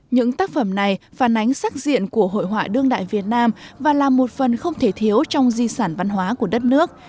những tác phẩm này phản ánh sắc diện của hội họa đương đại việt nam và là một phần không thể thiếu trong di sản văn hóa của đất nước